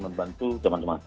untuk membantu teman teman